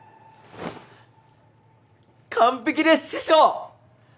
完璧です師匠！